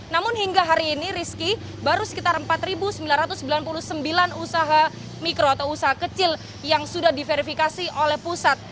namun hingga hari ini rizky baru sekitar empat sembilan ratus sembilan puluh sembilan usaha mikro atau usaha kecil yang sudah diverifikasi oleh pusat